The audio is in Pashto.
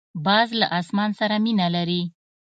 باز له اسمان سره مینه لري